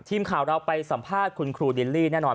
ทีมข่าวเราไปสัมภาษณ์คุณครูดิลลี่แน่นอน